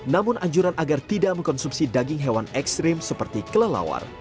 namun anjuran agar tidak mengkonsumsi daging hewan ekstrim seperti kelelawar